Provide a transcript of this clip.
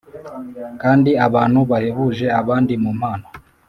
kandi abantu bahebuje abandi mu mpano